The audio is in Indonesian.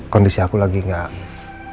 kondisi aku lagi gak fit jadi gapapa ya